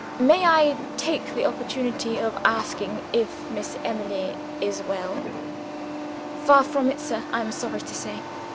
May I take the opportunity of asking if Miss Emily is well?" "Far from it, sir, I am sorry to say.